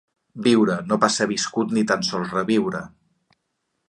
Viure, no pas ser viscut ni tan sols reviure.